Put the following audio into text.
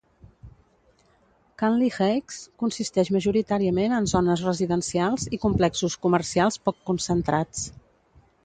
Canley Heights consisteix majoritàriament en zones residencials i complexos comercials poc concentrats.